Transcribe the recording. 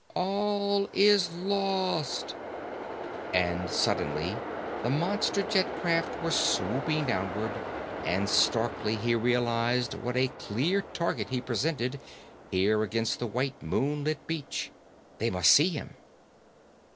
"All is lost!" And suddenly the monster jet craft were swooping downward and starkly he realized what a clear target he presented, here against the white moonlit beach. They must see him.